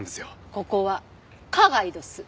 ここは花街どす。